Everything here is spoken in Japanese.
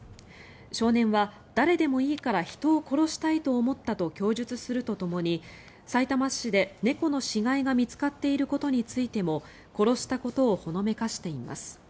少年は誰でもいいから人を殺したいと思ったと供述するとともにさいたま市で猫の死骸が見つかっていることについても殺したことをほのめかしています。